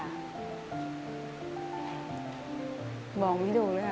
อเรนนี่ส์บอกไม่ดูเลยหรือ